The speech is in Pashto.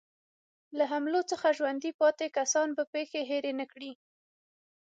له حملو څخه ژوندي پاتې کسان به پېښې هېرې نه کړي.